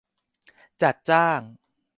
จัดจ้าง